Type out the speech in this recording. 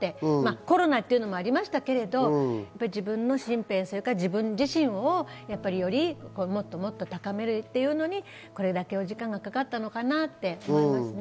コロナというのもありましたけれど、自分の身辺、それから自分自身をもっともっと高めるというのに、これだけお時間がかかったのかなともいますね。